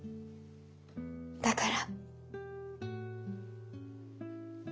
だから。